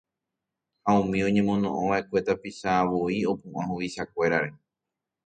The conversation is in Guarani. ha umi oñemono'õva'ekue tapicha voi opu'ã huvichakuérare